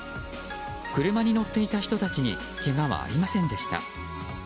車に乗っていた人たちにけがはありませんでした。